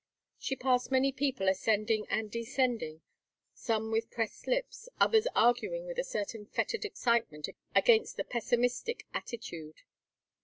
She passed many people ascending and descending, some with pressed lips, others arguing with a certain fettered excitement against the pessimistic attitude.